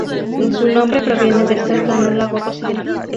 Su nombre proviene del cercano Lago Rosario.